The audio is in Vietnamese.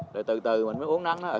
rồi từ từ mình mới uống nắng đó